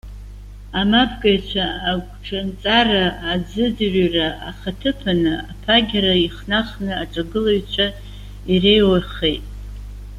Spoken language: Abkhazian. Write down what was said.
Амапкыҩцәа, агәҽанҵара азыӡырҩра ахаҭыԥаны, аԥагьара ихнахны аҿагылаҩцәа иреиуахеит.